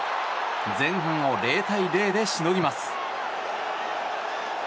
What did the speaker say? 前半を０対０でしのぎます。